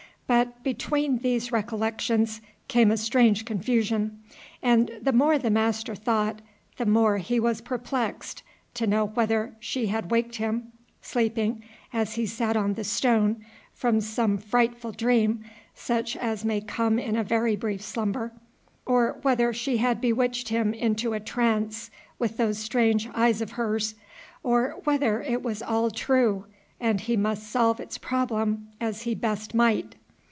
But between these recollections came a strange confusion; and the more the master thought, the more he was perplexed to know whether she had waked him, sleeping, as he sat on the stone, from some frightful dream, such as may come in a very brief slumber, or whether she had bewitched him into a trance with those strange eyes of hers, or whether it was all true, and he must solve its problem as he best might.